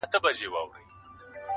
ناګهانه یې د بخت کاسه چپه سوه,